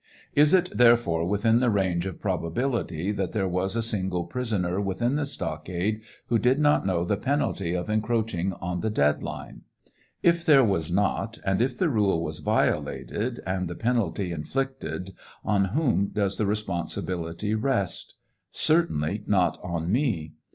Is it therefore within the range of probability that there was a single prisoner within the stockade who did not know the penalty of encroaching on the dead line ? If there was not, and if the rule was violated, and the penalty inflicted, on whom does the responsibility rest? Certainly not on me.